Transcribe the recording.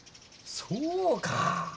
そうか。